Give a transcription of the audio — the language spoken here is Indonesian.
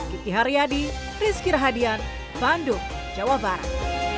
kiki haryadi rizky rahadian bandung jawa barat